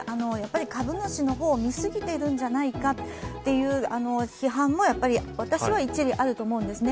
株主の方を見過ぎているんじゃないかという批判も私は一理あると思うんですね。